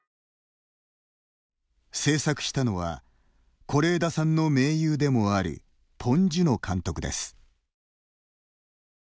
製作したのは是枝さんの盟友でもあるポン・ジュノ監督です。